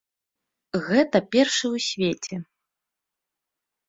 Гэта першы ў свеце.